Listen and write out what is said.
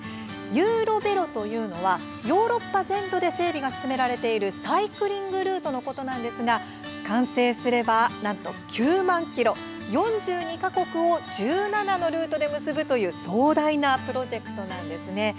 ユーロヴェロというのはヨーロッパ全土で整備が進められているサイクリングルートのことなんですが、完成すればなんと９万ｋｍ４２か国を１７のルートで結ぶという壮大なプロジェクトです。